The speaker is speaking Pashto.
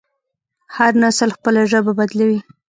هر نسل خپله ژبه بدلوي.